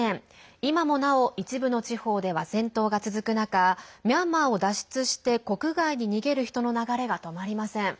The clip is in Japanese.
今もなお、一部の地方では戦闘が続く中ミャンマーを脱出して国外に逃げる人の流れが止まりません。